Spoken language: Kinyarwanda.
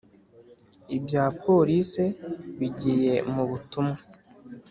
Ibya police bigiye mubutumwa